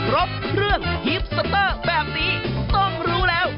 ครบเครื่องฮิปสเตอร์แบบนี้ต้องรู้แล้ว